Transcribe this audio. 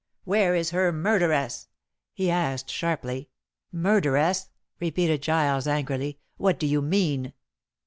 "Where is her murderess?" he asked sharply. "Murderess!" repeated Giles angrily. "What do you mean?"